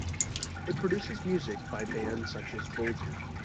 It produces music by bands such as Boulder.